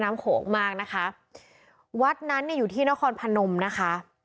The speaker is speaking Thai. โขงมากนะคะวัดนั้นเนี่ยอยู่ที่นครพนมนะคะ